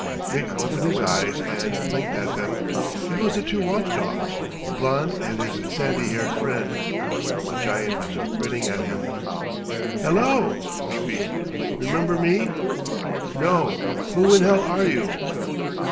Nick opened his eyes and blinked at them. It was the two watch dogs, the blond and his sandy haired friend. The giant was grinning at him. "Hello," he beamed. "Remember me?" "No! Who in hell are you?"